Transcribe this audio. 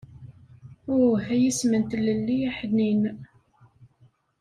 Uh, ay isem n tlelli aḥnin!